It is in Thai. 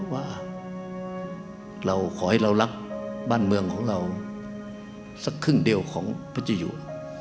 ว่าเราขอให้เรารักบ้านเมืองของเราสักครึ่งเดียวของพระเจ้าอยู่